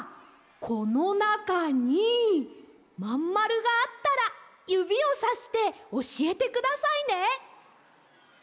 このなかにまんまるがあったらゆびをさしておしえてくださいね！